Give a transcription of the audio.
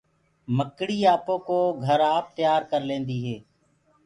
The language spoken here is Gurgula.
مڪڙيٚ آپو ڪو گھر آپ تيآر ڪرليندي هي۔